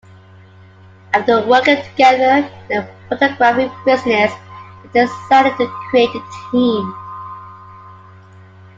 After working together in the photography business, they decided to create a team.